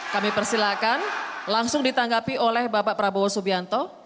kami persilakan langsung ditanggapi oleh bapak prabowo subianto